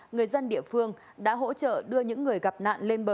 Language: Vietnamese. người dân địa phương đã hỗ trợ đưa những người gặp nạn lên bờ